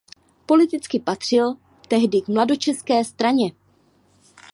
Politicky patřil tehdy k mladočeské straně.